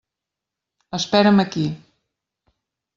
Espera'm aquí.